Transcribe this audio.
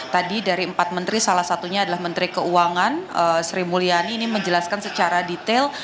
tadi dari empat menteri salah satunya adalah menteri keuangan sri mulyani ini menjelaskan secara detail